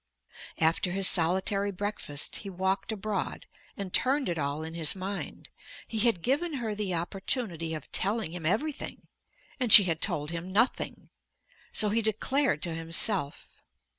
After his solitary breakfast he walked abroad, and turned it all in his mind. He had given her the opportunity of telling him everything, and she had told him nothing. So he declared to himself.